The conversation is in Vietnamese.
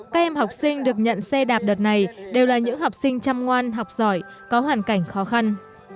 các em học sinh được nhận xe đạp đợt này đều là những học sinh chăm ngoan học giỏi có hoàn cảnh khó khăn